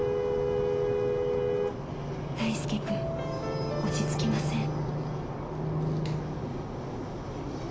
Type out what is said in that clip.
［大介君落ち着きません］